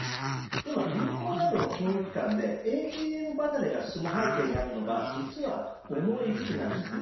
今銀行などの金融機関でＡＴＭ離れが進む背景にあるのが実は重い維持費なんです。